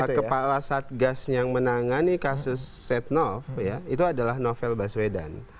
nah kepala satgas yang menangani kasus setnov ya itu adalah novel baswedan